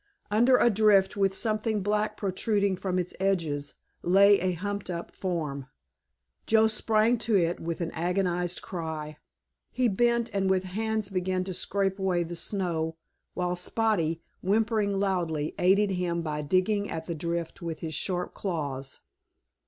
Under a drift, with something black protruding from its edges, lay a humped up form. Joe sprang to it with an agonized cry. He bent and with his hands began to scrape away the snow, while Spotty, whimpering loudly, aided him by digging at the drift with his sharp claws.